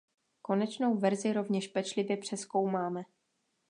Konečnou verzi rovněž pečlivě přezkoumáme.